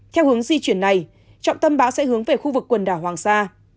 theo hướng di chuyển này trọng tâm bão sẽ hướng về khu vực quần đảo hoàng sa